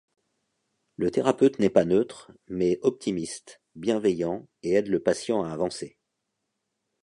Le thérapeute n'est pas neutre, mais optimiste, bienveillant et aide le patient à avancer.